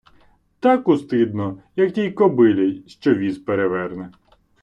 Так устидно, як тій кобилі, що віз переверне.